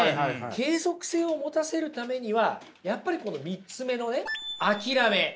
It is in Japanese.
継続性を持たせるためにはやっぱりこの３つ目のね諦め。